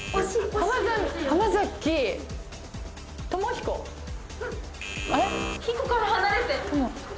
・「ひこ」から離れて。